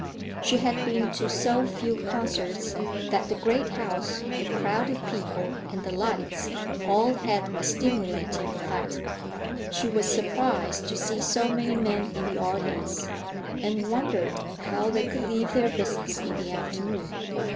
She had been to so few concerts that the great house, the crowd of people, and the lights, all had a stimulating effect. She was surprised to see so many men in the audience, and wondered how they could leave their business in the afternoon.